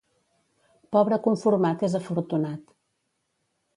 Pobre conformat és afortunat.